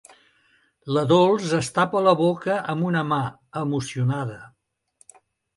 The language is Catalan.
La Dols es tapa la boca amb una mà, emocionada.